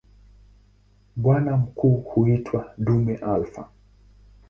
Mbwa mkuu huitwa "dume alfa".